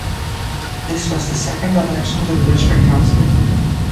This was the second election to the district council.